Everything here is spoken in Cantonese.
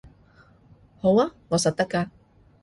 好吖，我實得㗎